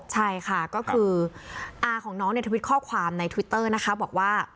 ใช่ค่ะก็คืออาของน้องเนี่ยทวิตข้อความในทวิตเตอร์นะคะบอกว่า